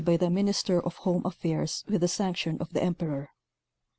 by the Minister of Home Affairs with the sanc tion of the emperor.